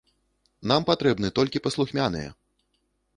Нам патрэбны толькі паслухмяныя!